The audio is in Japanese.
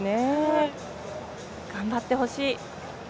頑張ってほしい。